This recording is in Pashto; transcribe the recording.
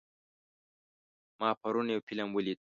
ما پرون یو فلم ولید.